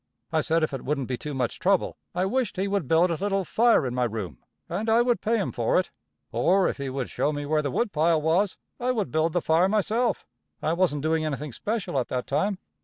I said if it wouldn't be too much trouble, I wisht he would build a little fire in my room, and I would pay him for it; or, if he would show me where the woodpile was, I would build the fire myself I wasn't doing anything special at that time.